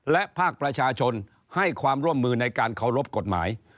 และภาคประชาชนให้ความร่วมมือในการเคารพกฎหมาย